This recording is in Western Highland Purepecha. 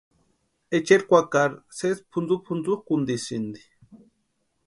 Echeri kwakari sési pʼuntsupʼuntsukʼuntisïnti.